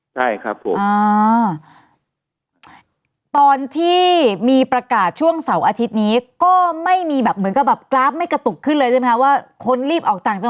ใช่ครับผมตอนที่มีประกาศช่วงเสาร์อาทิตย์นี้ก็ไม่มีแบบเหมือนกับแบบกราฟไม่กระตุกขึ้นเลยใช่ไหมคะ